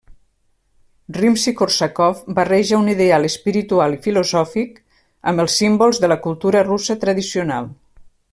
Rimski-Kórsakov barreja un ideal espiritual i filosòfic amb els símbols de la cultura russa tradicional.